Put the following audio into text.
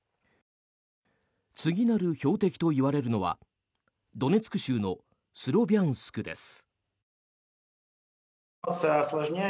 次なる標的といわれるのはドネツク州のスロビャンスクです。